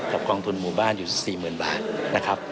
กองทุนหมู่บ้านอยู่๔๐๐๐บาทนะครับ